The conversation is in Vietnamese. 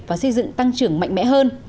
và xây dựng tăng trưởng mạnh mẽ hơn